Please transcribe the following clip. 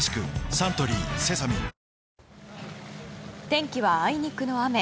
天気は、あいにくの雨。